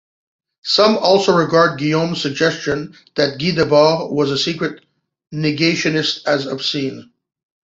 Some also regard Guillaume's suggestion that Guy Debord was a secret negationist as obscene.